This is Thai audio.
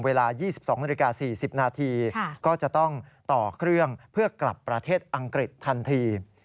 เวลา๒๒นาฬิกา๔๐นาทีก็จะต้องต่อเครื่องเพื่อกลับประเทศอังกฤษทันที